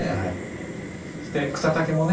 そして草丈もね。